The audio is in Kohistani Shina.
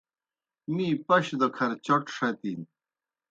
می پشوْ دہ کھر چوْٹ ݜتِن۔